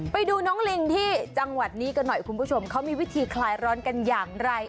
ไปดูน้องลิงที่จังหวัดนี้กันหน่อยคุณผู้ชมเขามีวิธีคลายร้อนกันอย่างไร